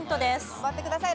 頑張ってください。